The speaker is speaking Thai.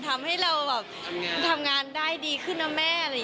ทำให้เราทำงานใดดีขึ้นนะแม่